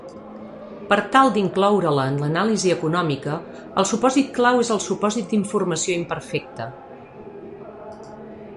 Per tal d'incloure-la en l'anàlisi econòmica, el supòsit clau és el supòsit d’informació imperfecta.